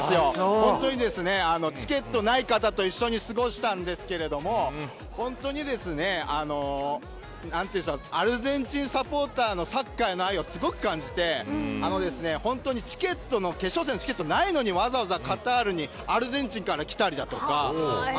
本当にチケットない方と一緒に過ごしたんですけれども本当にアルゼンチンサポーターのサッカーへの愛をすごく感じて決勝戦のチケットないのにわざわざカタールにアルゼンチンから来たりとか。